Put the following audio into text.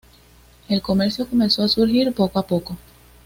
El comercio comenzó a surgir poco a poco.